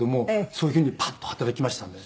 そういうふうにパッと働きましたね。